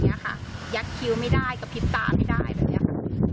เนี้ยค่ะยักษ์คิวไม่ได้กระพริบตาไม่ได้เลยเนี้ยค่ะ